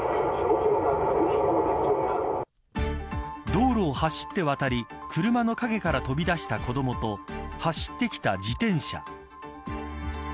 道路を走って渡り車の陰から飛び出した子どもと走ってきた自転車。